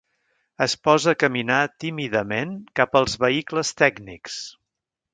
Es posa a caminar tímidament cap als vehicles tècnics.